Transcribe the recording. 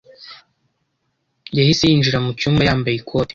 Yahise yinjira mu cyumba yambaye ikote.